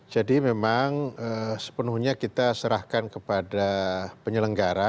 jadi memang sepenuhnya kita serahkan kepada penyelenggara